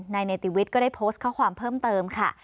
เนติวิทย์ก็ได้โพสต์ข้อความเพิ่มเติมค่ะ